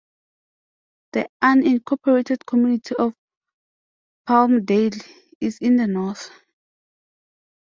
The unincorporated community of Palmdale is in the north.